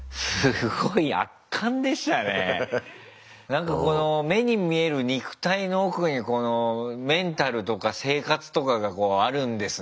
なんかこの目に見える肉体の奥にこのメンタルとか生活とかがあるんですね。